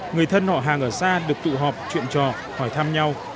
người thân họ hàng ở xa được tụ họp chuyện trò hỏi thăm nhau